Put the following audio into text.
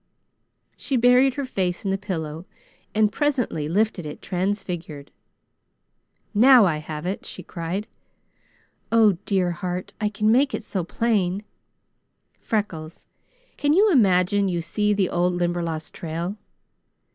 She buried her face in the pillow and presently lifted it, transfigured. "Now I have it!" she cried. "Oh, dear heart! I can make it so plain! Freckles, can you imagine you see the old Limberlost trail?